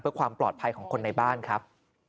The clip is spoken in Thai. เพื่อความปลอดภัยของคนในบ้านครับ